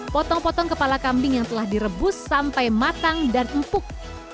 potong potong kepala kambing yang telah direbus sampai matang dan empuk